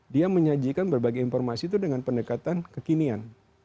dia menyajikan berbagai informasi itu dengan pendekatan kekinian